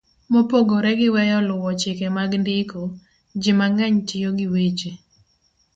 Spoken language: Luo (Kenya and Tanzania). Mopogore gi weyo luwo chike mag ndiko, ji mang'eny tiyo gi weche